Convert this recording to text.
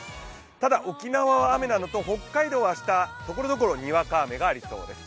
ただ沖縄は雨なのと、北海道は明日ところどころにわか雨がありそうです。